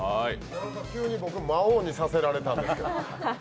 急に僕、魔王にさせられたんだけど。